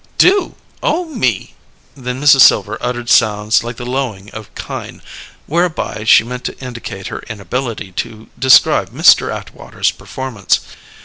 "'Do'? Oh, me!" Then Mrs. Silver uttered sounds like the lowing of kine, whereby she meant to indicate her inability to describe Mr. Atwater's performance.